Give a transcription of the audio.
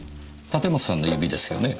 立松さんの指ですよね？